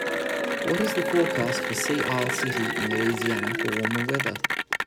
what is the forecast for Sea Isle City in Louisiana for warmer weather